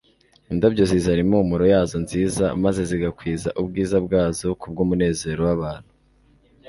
Indabyo zizana impumuro yazo nziza maze zigakwiza ubwiza bwazo kubw'umunezero w'abantu.